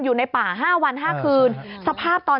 อยู่ในป่า๕วัน๕คืน